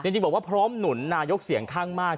จริงบอกว่าพร้อมหนุนนายกเสียงข้างมาก